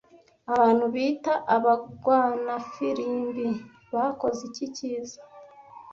Abantu bita abagwanafirimbi bakoze iki Cyiza